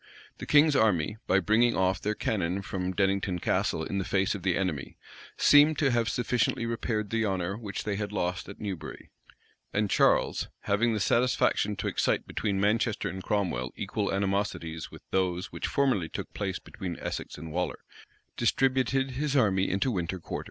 The king's army, by bringing off their cannon from Dennington Castle in the face of the enemy, seemed to have sufficiently repaired the honor which they had lost at Newbury; and Charles, having the satisfaction to excite between Manchester and Cromwell equal animosities with those which formerly took place between Essex and Waller,[*] distributed his army into winter quarters.